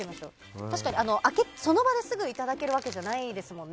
確かに、その場ですぐいただけるわけじゃないですもんね